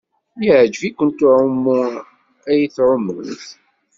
Yeɛjeb-ikent uɛumu ay tɛumemt?